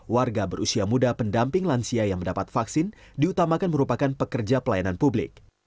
warga berusia muda pendamping lansia yang mendapat vaksin diutamakan merupakan pekerja pelayanan publik